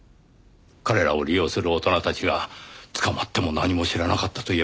彼らを利用する大人たちが「捕まっても何も知らなかったと言えば済むんだ」と唆し